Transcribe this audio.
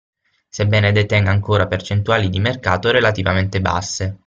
Sebbene detenga ancora percentuali di mercato relativamente basse.